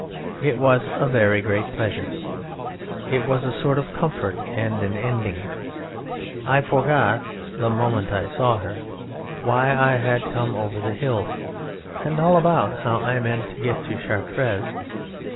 It was a very great pleasure ... it was a sort of comfort and an ending. I forgot, the moment I saw her, why I had come over the hills, and all about how I meant to get to Chartres....